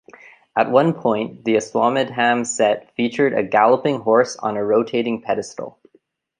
At one point, the "Aswamedham" set featured a galloping horse on a rotating pedestal.